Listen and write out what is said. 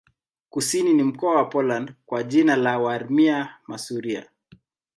Kusini ni mkoa wa Poland kwa jina la Warmia-Masuria.